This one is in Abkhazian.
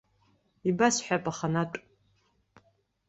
Ибасҳәап аханатә.